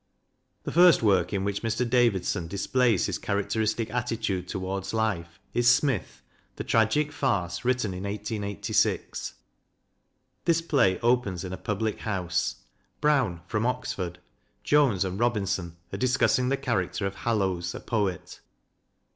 The first work in which Mr. Davidson displays his characteristic attitude towards life is "Smith," the tragic farce, written in 1886. This play opens in a public house. Brown, from Oxford, Jones, and Robin son are discussing the character of Hallowes, a poet.